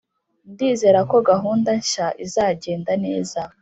ndizera ko gahunda nshya izagenda neza.